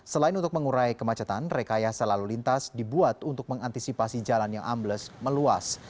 selain untuk mengurai kemacetan rekayasa lalu lintas dibuat untuk mengantisipasi jalan yang ambles meluas